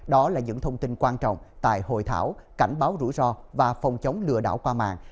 đó là những thông tin quan trọng tại hội thảo cảnh báo rủi ro và phòng chống lừa đảo qua mạng